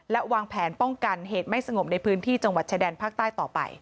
และวางแผนป้องกันเหตุไม่สงบในพื้นที่จังหวัดชายแดนภาคใต้ต่อไป